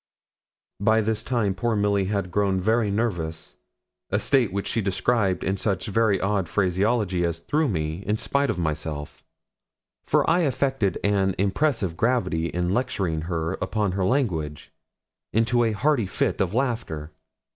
By this time poor Milly had grown very nervous; a state which she described in such very odd phraseology as threw me, in spite of myself for I affected an impressive gravity in lecturing her upon her language into a hearty fit of laughter.